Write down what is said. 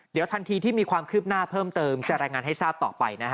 เดี๋ยวทันทีที่มีความคืบหน้าเพิ่มเติมจะรายงานให้ทราบต่อไปนะฮะ